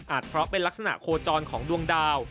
เพราะเป็นลักษณะโคจรของดวงดาว